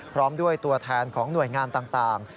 พร้อมด้วยตัวแทนของหน่วยงานต่าง